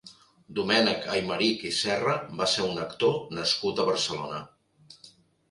Domènec Aymerich i Serra va ser un actor nascut a Barcelona.